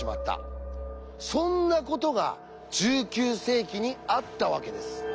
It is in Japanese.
そんなことが１９世紀にあったわけです。